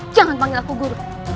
jangan panggil aku guru